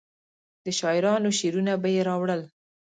د شاعرانو شعرونه به یې راوړل.